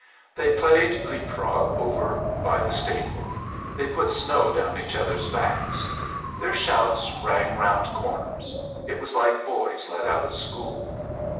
They played leap frog over by the stable, they put snow down each other's backs. Their shouts rang round corners; it was like boys let out of school.